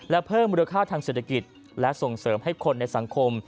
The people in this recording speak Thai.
และเพิ่มมูลค่าทางเศรษฐกิจและส่งเสริมให้คนในสังคม